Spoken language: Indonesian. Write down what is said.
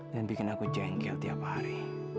bikin aku jengkel tiap hari